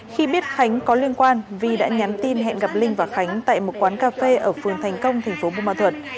khi biết khánh có liên quan vi đã nhắn tin hẹn gặp linh và khánh tại một quán cà phê ở phường thành công tp bùi mân thuận